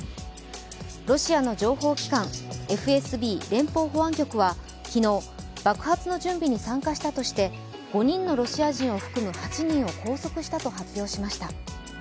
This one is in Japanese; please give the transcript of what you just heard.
ロシアの情報機関、ＦＳＢ＝ロシア連邦保安局は昨日、爆発の準備に参加したとして５人のロシア人を含む８人を拘束したと発表しました。